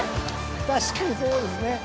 確かにそうですね。